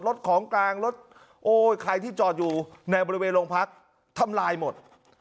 รถของกลางรถโอ้ใครที่จอดอยู่ในบริเวณโรงพักทำลายหมด